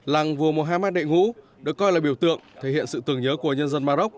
lăng vua mohammed đệ ngũ được coi là biểu tượng thể hiện sự tưởng nhớ của nhân dân maroc